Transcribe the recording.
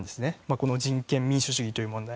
この人権、民主主義という問題。